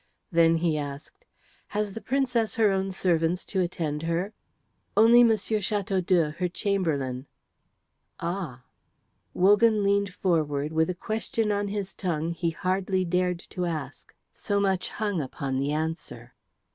Then he asked, "Has the Princess her own servants to attend her?" "Only M. Chateaudoux, her chamberlain." "Ah!" Wogan leaned forward with a question on his tongue he hardly dared to ask. So much hung upon the answer.